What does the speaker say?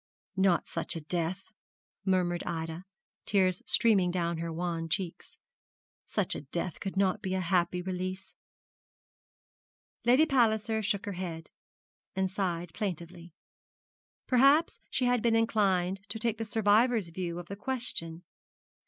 'Not such a death,' murmured Ida, tears streaming down her wan cheeks; 'such a death could not be a happy release.' Lady Palliser shook her head, and sighed plaintively. Perhaps she had been inclined to take the survivor's view of the question.